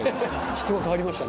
「人が変わりましたね」